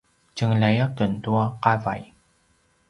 tjengelay aken tua qavay